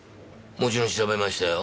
もちろん調べましたよ。